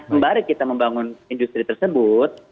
dan sementara kita membangun industri tersebut